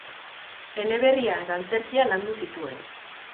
Eleberria eta antzerkia landu zituen.